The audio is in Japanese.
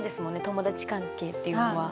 友達関係っていうのは。